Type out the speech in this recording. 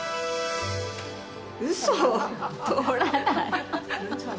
うそぉ、通らない。